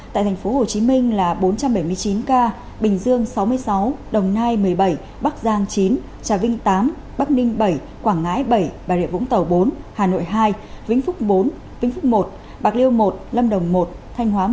tại tp hcm là bốn trăm bảy mươi chín ca bình dương sáu mươi sáu đồng nai một mươi bảy bắc giang chín trà vinh tám bắc ninh bảy quảng ngãi bảy bà rịa vũng tàu bốn hà nội hai vĩnh phúc bốn vĩnh phúc một bạc liêu một lâm đồng một thanh hóa